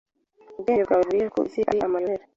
Ubwenge bwawe burihe ko isi ari amayobera?